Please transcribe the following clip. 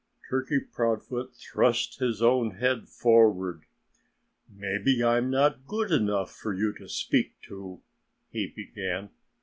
Turkey Proudfoot thrust his own head forward. "Maybe I'm not good enough for you to speak to," he began.